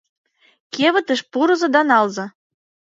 Кевытыш пурыза да налза.